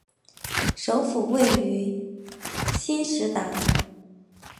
首府位在兴实达。